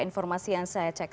informasi yang saya cek